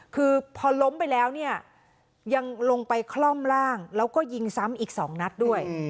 คือพอล้มไปแล้วเนี่ยยังลงไปคล่อมร่างแล้วก็ยิงซ้ำอีก๒นัดด้วย